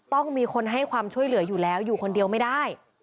ต้องมีคนให้ความช่วยเหลืออยู่แล้วอยู่คนเดียวไม่ได้